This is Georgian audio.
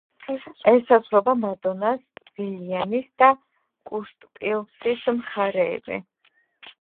ესაზღვრება მადონას, ვილიანის და კრუსტპილსის მხარეები.